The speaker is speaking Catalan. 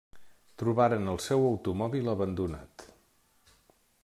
Trobaren el seu automòbil abandonat.